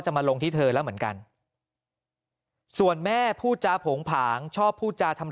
มาลงที่เธอแล้วเหมือนกันส่วนแม่พูดจาโผงผางชอบพูดจาทำ